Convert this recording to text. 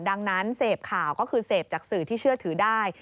ดังนั้นเสพข่าวก็คือเสพจากสื่อที่เชื่อถือได้